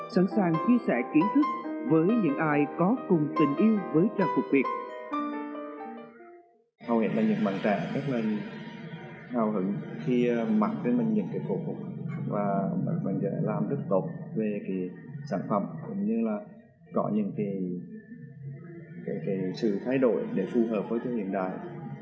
sẵn sàng chia sẻ kiến thức với những ai có thể tìm hiểu về phổ phục huế này